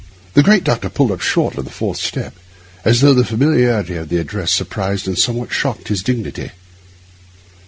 The great doctor pulled up short on the fourth step, as though the familiarity of the address surprised and somewhat shocked his dignity.